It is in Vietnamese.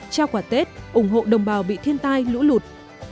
trao quả tết ủng hộ đồng bào bị thiên tai lũ lụt